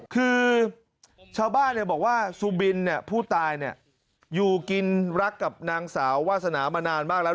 คือชาวบ้านบอกว่าสุบินผู้ตายอยู่กินรักกับนางสาววาสนามานานมากแล้ว